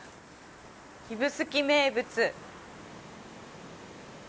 指宿名物。